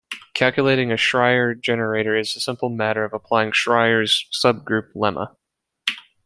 Calculating a Schreier generator is a simple matter of applying Schreier's subgroup lemma.